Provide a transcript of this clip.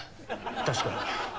確かに。